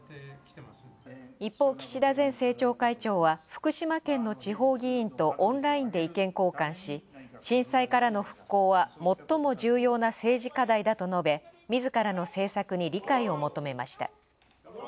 一方、岸田前政調会長は、福島県の地方議員とオンラインで意見交換し「震災からの復興は最も重要な政治課題だ」と述べ、自らの政策に理解を求めました。